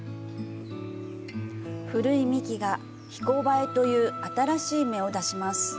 古い幹が、「ヒコバエ」という新しい芽を出します。